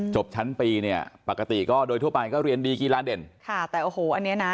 จบชั้นปีปกติก็เรียนดีกี่ล้านเด่น